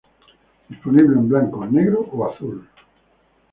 Disponible en blanco, negro o azul.